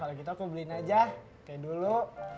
kalau gitu aku beliin aja kayak dulu